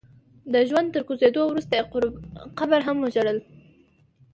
د ژوند تر کوزېدو وروسته يې قبر هم ژړل.